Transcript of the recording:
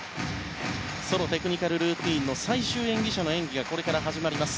ソロテクニカルルーティンの最終演技者の演技がこれから始まります。